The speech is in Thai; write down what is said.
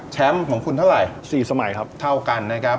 ของคุณเท่าไหร่๔สมัยครับเท่ากันนะครับ